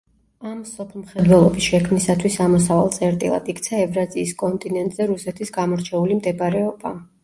ამ მსოფლმხედველობის შექმნისათვის ამოსავალ წერტილად იქცა ევრაზიის კონტინენტზე რუსეთის გამორჩეული მდებარეობა.